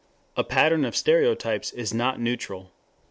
A pattern of stereotypes is not neutral.